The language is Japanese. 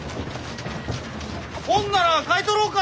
本なら買い取ろうか？